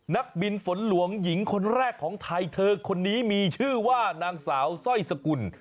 นักบินฝนหลวงหญิงคนแรกของไทยเธอคนนี้มีชื่อว่านางสาวสร้อยสกุล